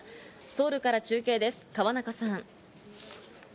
ソウルから中継です、河中さん。